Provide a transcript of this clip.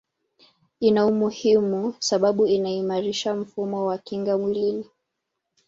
ina umuhimu sababu inaimarisha mfumo wa kinga mwilini